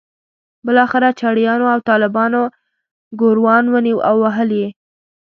بالاخره چړیانو او طالبانو ګوروان ونیو او وهل یې.